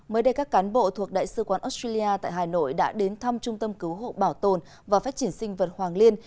mới đây các cán bộ thuộc đại sứ quán australia tại hà nội đã đến thăm trung tâm cứu hộ bảo tồn và phát triển sinh vật hoàng liên